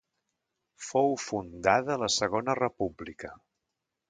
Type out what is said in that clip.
Fou fundada la Segona República.